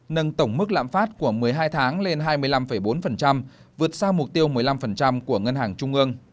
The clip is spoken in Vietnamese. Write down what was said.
nâng tổng mức lạm phát của một mươi hai tháng lên hai mươi năm bốn vượt xa mục tiêu một mươi năm của ngân hàng trung ương